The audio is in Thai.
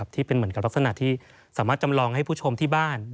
ที่เป็นเหมือนกับลักษณะที่สามารถจำลองให้ผู้ชมที่บ้าน